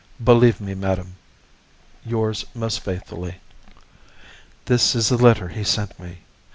"Believe me, madame, "Yours most faithfully." This is the letter he sent me.